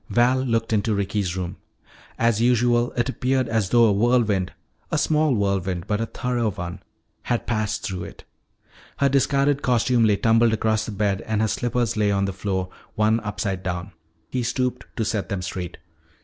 Val looked into Ricky's room. As usual, it appeared as though a whirlwind, a small whirlwind but a thorough one, had passed through it. Her discarded costume lay tumbled across the bed and her slippers lay on the floor, one upside down. He stooped to set them straight.